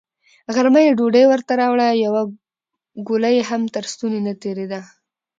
غرمه يې ډوډۍ ورته راوړه، يوه ګوله يې هم تر ستوني نه تېرېده.